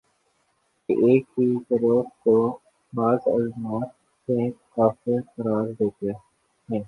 کہ ایک ہی گروہ کو بعض علماے دین کافر قرار دیتے ہیں